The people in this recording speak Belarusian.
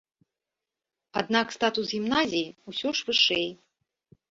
Аднак статус гімназіі ўсё ж вышэй.